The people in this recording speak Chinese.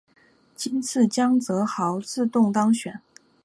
今次江泽濠自动当选。